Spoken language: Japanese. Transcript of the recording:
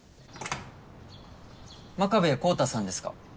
真壁昂太さんですか？